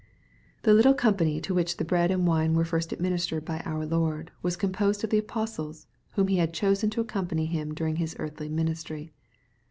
The little company to which the bread and wine were first administered by our Lord, was composed of the apostles, whom He had chosen to accompany Him during His earthly ministry.